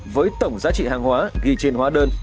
với tổng giá trị hàng hóa ghi trên hóa đơn